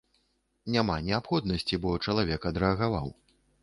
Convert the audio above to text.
Няма неабходнасці, бо чалавек адрэагаваў.